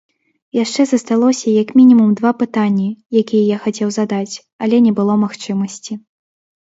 Яшчэ засталося як мінімум два пытанні, якія я хацеў задаць, але не было магчымасці.